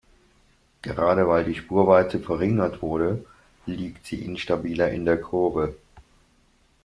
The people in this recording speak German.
Gerade weil die Spurweite verringert wurde, liegt sie instabiler in der Kurve.